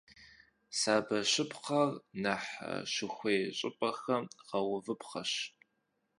Сабэщыпхэр нэхъ щыхуей щӀыпӀэхэм гъэувыпхъэщ.